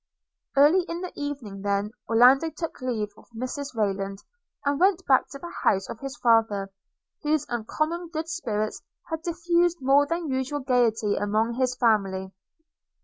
Early in the evening, then, Orlando took leave of Mrs Rayland, and went back to the house of his father, whose uncommon good spirits had diffused more than usual gaiety among his family.